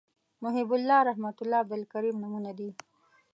محیب الله رحمت الله عبدالکریم نومونه دي